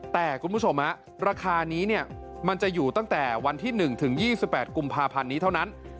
แต่คุณผู้ชมราคานี้มันจะอยู่ตั้งแต่วันที่๑ถึง๒๘กุมภาพันธ์นี้เท่านั้น